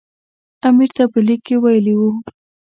امیر ته په لیک کې ویلي وو.